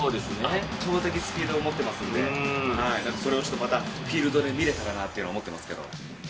圧倒的スピードを持ってますんで、それをちょっと、またフィールドで見れたらと思ってますけど。